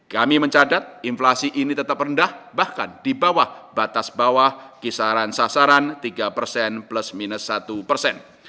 kami mencatat inflasi ini tetap rendah bahkan di bawah batas bawah kisaran sasaran tiga persen plus minus satu persen